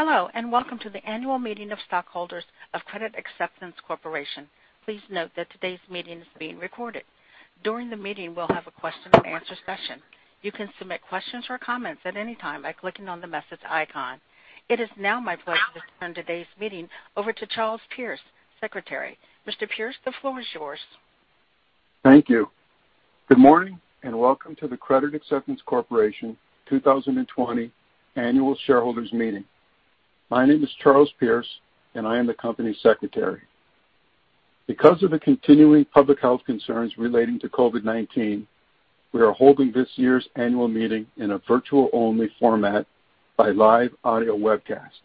Hello, and welcome to the annual meeting of stockholders of Credit Acceptance Corporation. Please note that today's meeting is being recorded. During the meeting, we'll have a question-and-answer session. You can submit questions or comments at any time by clicking on the message icon. It is now my pleasure to turn today's meeting over to Charles Pearce, Secretary. Mr. Pearce, the floor is yours. Thank you. Good morning, and welcome to the Credit Acceptance Corporation 2020 Annual Shareholders Meeting. My name is Charles Pearce, and I am the company secretary. Because of the continuing public health concerns relating to COVID-19, we are holding this year's annual meeting in a virtual-only format by live audio webcast.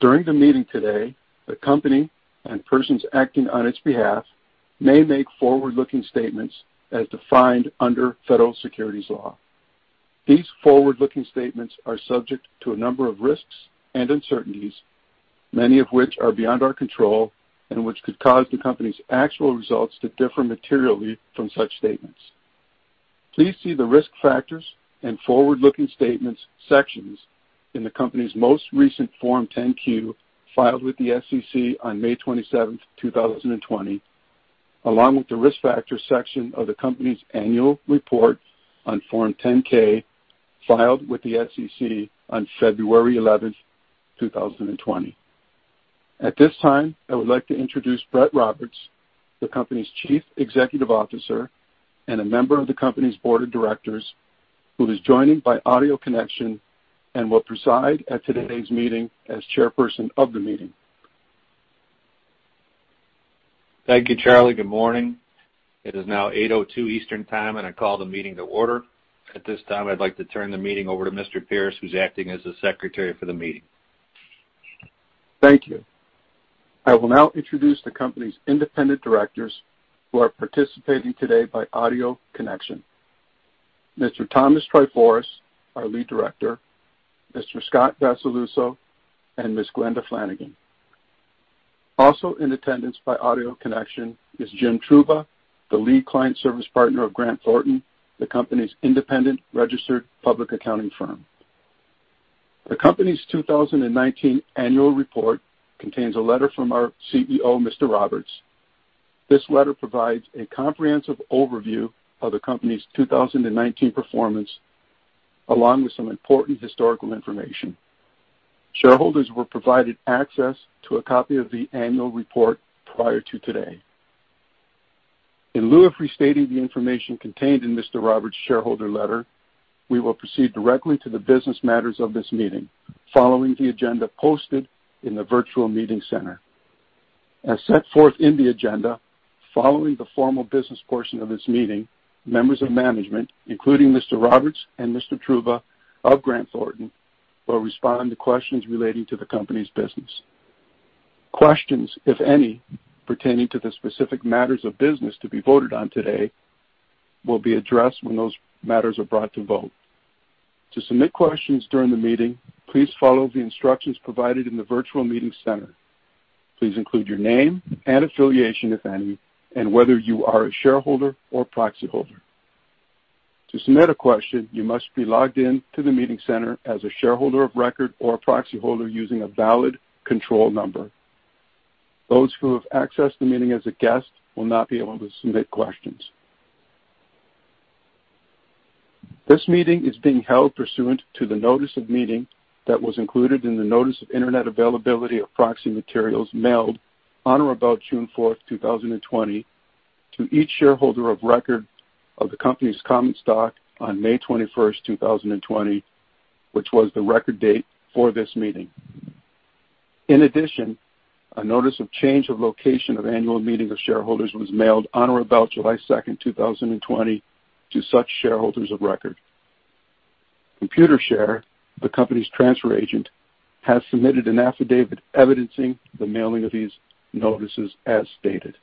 During the meeting today, the company and persons acting on its behalf may make forward-looking statements as defined under federal securities law. These forward-looking statements are subject to a number of risks and uncertainties, many of which are beyond our control and which could cause the company's actual results to differ materially from such statements. Please see the risk factors and forward-looking statements sections in the company's most recent Form 10-Q filed with the SEC on May 27, 2020, along with the risk factors section of the company's annual report on Form 10-K filed with the SEC on February 11, 2020. At this time, I would like to introduce Brett Roberts, the company's Chief Executive Officer and a member of the company's Board of Directors, who is joining by audio connection and will preside at today's meeting as chairperson of the meeting. Thank you, Charlie. Good morning. It is now 8:02 A.M. Eastern Time, and I call the meeting to order. At this time, I'd like to turn the meeting over to Mr. Pearce, who's acting as the secretary for the meeting. Thank you. I will now introduce the company's independent directors who are participating today by audio connection: Mr. Thomas Tryforos, our lead director; Mr. Scott Vassalluzzo; and Ms. Glenda Flanagan. Also in attendance by audio connection is Jim Trouba, the lead client service partner of Grant Thornton, the company's independent registered public accounting firm. The company's 2019 annual report contains a letter from our CEO, Mr. Roberts. This letter provides a comprehensive overview of the company's 2019 performance, along with some important historical information. Shareholders were provided access to a copy of the annual report prior to today. In lieu of restating the information contained in Mr. Roberts' shareholder letter, we will proceed directly to the business matters of this meeting, following the agenda posted in the virtual meeting center. As set forth in the agenda, following the formal business portion of this meeting, members of management, including Mr. Roberts and Mr. Trouba of Grant Thornton will respond to questions relating to the company's business. Questions, if any, pertaining to the specific matters of business to be voted on today will be addressed when those matters are brought to vote. To submit questions during the meeting, please follow the instructions provided in the virtual meeting center. Please include your name and affiliation, if any, and whether you are a shareholder or proxy holder. To submit a question, you must be logged in to the meeting center as a shareholder of record or a proxy holder using a valid control number. Those who have accessed the meeting as a guest will not be able to submit questions. This meeting is being held pursuant to the notice of meeting that was included in the notice of internet availability of proxy materials mailed on or about June 4, 2020, to each shareholder of record of the company's common stock on May 21, 2020, which was the record date for this meeting. In addition, a notice of change of location of annual meeting of shareholders was mailed on or about July 2, 2020, to such shareholders of record. Computershare, the company's transfer agent, has submitted an affidavit evidencing the mailing of these notices as stated.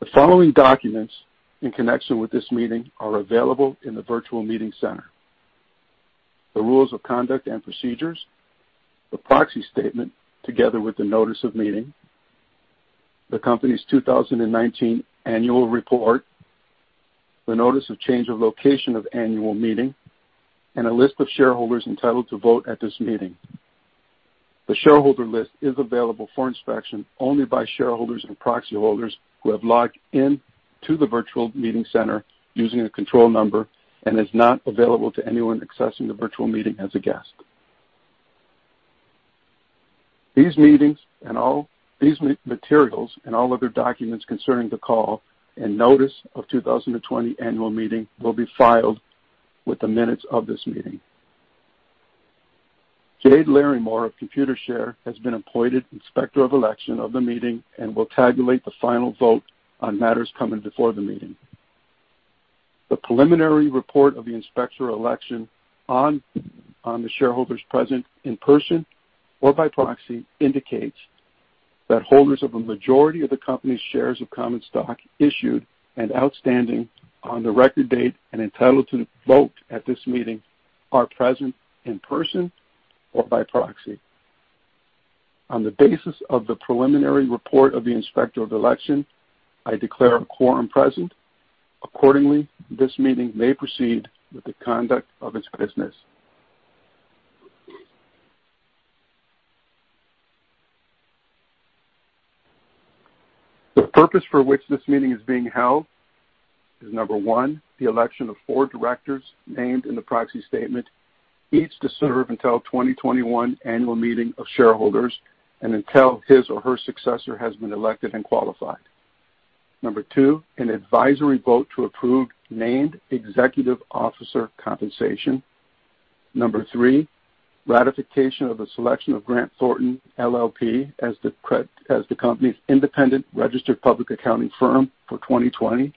The following documents in connection with this meeting are available in the virtual meeting center: the rules of conduct and procedures, the proxy statement together with the notice of meeting, the company's 2019 annual report, the notice of change of location of annual meeting, and a list of shareholders entitled to vote at this meeting. The shareholder list is available for inspection only by shareholders and proxy holders who have logged in to the virtual meeting center using a control number and is not available to anyone accessing the virtual meeting as a guest. These materials and all other documents concerning the call and notice of 2020 annual meeting will be filed with the minutes of this meeting. Jay Larrimore of Computershare has been appointed inspector of election of the meeting and will tabulate the final vote on matters coming before the meeting. The preliminary report of the inspector of election on the shareholders present in person or by proxy indicates that holders of a majority of the company's shares of common stock issued and outstanding on the record date and entitled to vote at this meeting are present in person or by proxy. On the basis of the preliminary report of the inspector of election, I declare a quorum present. Accordingly, this meeting may proceed with the conduct of its business. The purpose for which this meeting is being held is: number one, the election of four directors named in the proxy statement, each to serve until 2021 annual meeting of shareholders and until his or her successor has been elected and qualified. Number two, an advisory vote to approve named executive officer compensation. Number three, ratification of the selection of Grant Thornton LLP as the company's independent registered public accounting firm for 2020.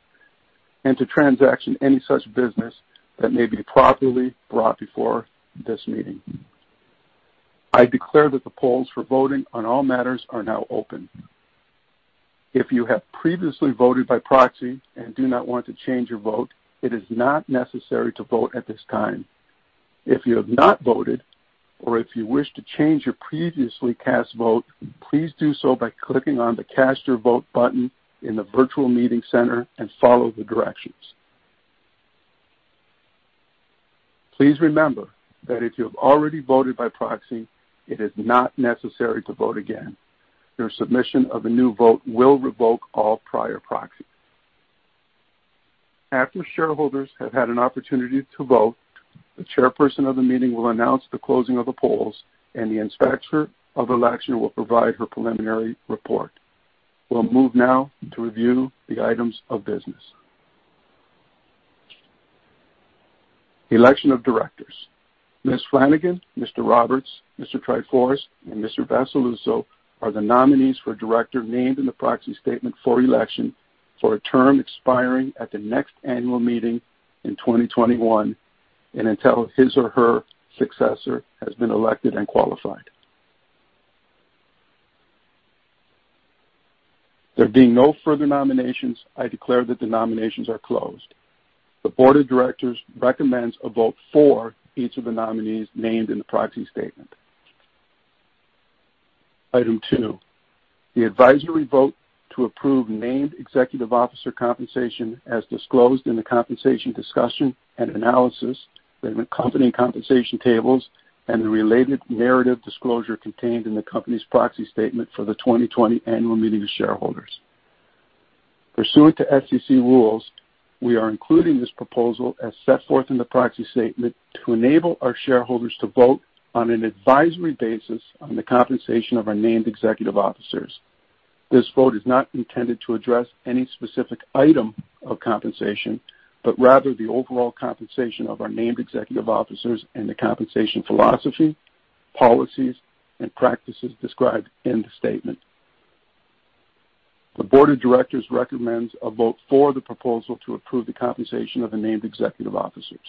And to transact any such business that may be properly brought before this meeting. I declare that the polls for voting on all matters are now open. If you have previously voted by proxy and do not want to change your vote, it is not necessary to vote at this time. If you have not voted or if you wish to change your previously cast vote, please do so by clicking on the Cast Your Vote button in the virtual meeting center and follow the directions. Please remember that if you have already voted by proxy, it is not necessary to vote again. Your submission of a new vote will revoke all prior proxies. After shareholders have had an opportunity to vote, the chairperson of the meeting will announce the closing of the polls, and the inspector of election will provide her preliminary report. We'll move now to review the items of business. Election of directors: Ms. Flanagan, Mr. Roberts, Mr. Tryforos, and Mr. Vassalluzzo are the nominees for director named in the proxy statement for election for a term expiring at the next annual meeting in 2021 and until his or her successor has been elected and qualified. There being no further nominations, I declare that the nominations are closed. The board of directors recommends a vote for each of the nominees named in the proxy statement. Item two: the advisory vote to approve named executive officer compensation as disclosed in the compensation discussion and analysis of the company compensation tables and the related narrative disclosure contained in the company's proxy statement for the 2020 annual meeting of shareholders. Pursuant to SEC rules, we are including this proposal as set forth in the proxy statement to enable our shareholders to vote on an advisory basis on the compensation of our named executive officers. This vote is not intended to address any specific item of compensation, but rather the overall compensation of our named executive officers and the compensation philosophy, policies, and practices described in the statement. The board of directors recommends a vote for the proposal to approve the compensation of the named executive officers.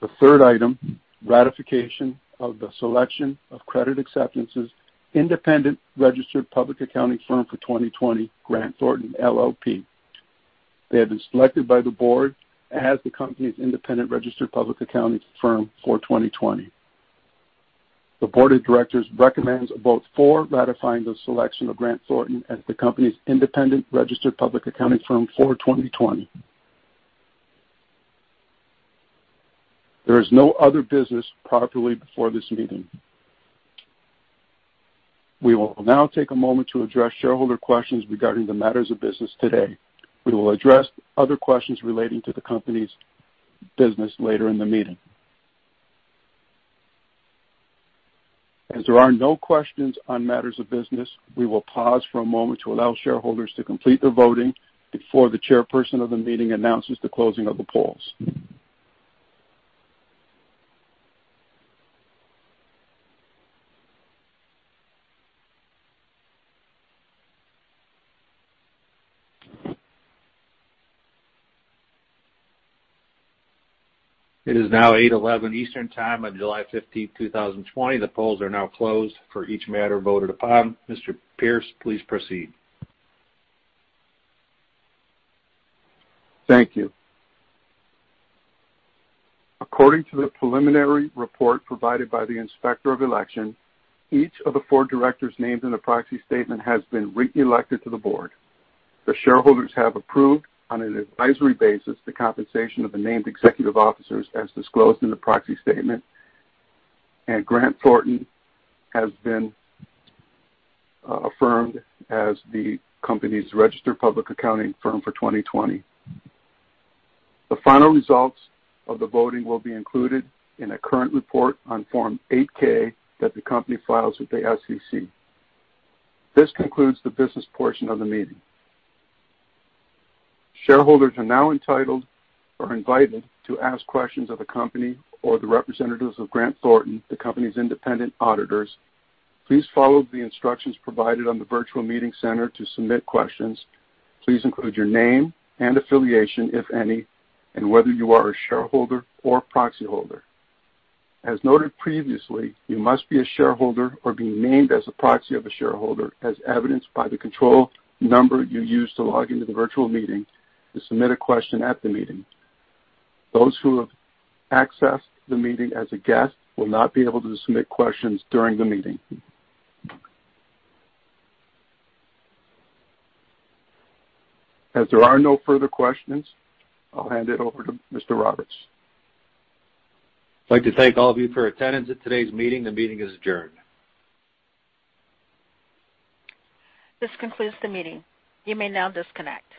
The third item: ratification of the selection of Credit Acceptance's independent registered public accounting firm for 2020, Grant Thornton LLP. They have been selected by the board as the company's independent registered public accounting firm for 2020. The board of directors recommends a vote for ratifying the selection of Grant Thornton LLP as the company's independent registered public accounting firm for 2020. There is no other business properly before this meeting. We will now take a moment to address shareholder questions regarding the matters of business today. We will address other questions relating to the company's business later in the meeting. As there are no questions on matters of business, we will pause for a moment to allow shareholders to complete their voting before the chairperson of the meeting announces the closing of the polls. It is now 8:11 A.M. Eastern Time on July 15, 2020. The polls are now closed for each matter voted upon. Mr. Pearce, please proceed. Thank you. According to the preliminary report provided by the inspector of election, each of the four directors named in the proxy statement has been re-elected to the board. The shareholders have approved on an advisory basis the compensation of the named executive officers as disclosed in the proxy statement, and Grant Thornton has been affirmed as the company's registered public accounting firm for 2020. The final results of the voting will be included in a current report on Form 8-K that the company files with the SEC. This concludes the business portion of the meeting. Shareholders are now entitled or invited to ask questions of the company or the representatives of Grant Thornton, the company's independent auditors. Please follow the instructions provided on the virtual meeting center to submit questions. Please include your name and affiliation, if any, and whether you are a shareholder or proxy holder. As noted previously, you must be a shareholder or be named as a proxy of a shareholder, as evidenced by the control number you use to log into the virtual meeting to submit a question at the meeting. Those who have accessed the meeting as a guest will not be able to submit questions during the meeting. As there are no further questions, I'll hand it over to Mr. Roberts. I'd like to thank all of you for attendance at today's meeting. The meeting is adjourned. This concludes the meeting. You may now disconnect.